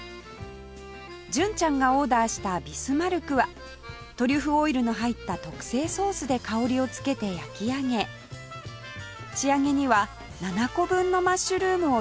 純ちゃんがオーダーしたビスマルクはトリュフオイルの入った特製ソースで香りを付けて焼き上げ仕上げには７個分のマッシュルームをたっぷり使用